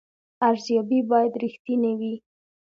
ارزیابي باید رښتینې وي